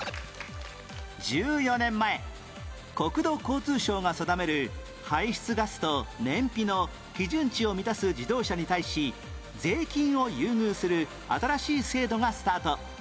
１４年前国土交通省が定める排出ガスと燃費の基準値を満たす自動車に対し税金を優遇する新しい制度がスタート